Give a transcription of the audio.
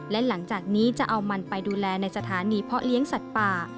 และหลังจากนี้จะเอามันไปดูแลในสถานีเพาะเลี้ยงสัตว์ป่า